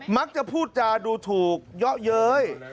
มักจะพูดจาดูถูกเยาะเย้ย